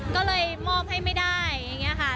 ก็เลยมอบให้ไม่ได้ค่ะ